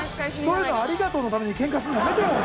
人への「ありがとう」のためにケンカするのやめてよ！